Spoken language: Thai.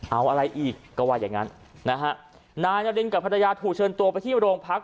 เอาอะไรอีกก็ว่าอย่างงั้นนะฮะนายนารินกับภรรยาถูกเชิญตัวไปที่โรงพัก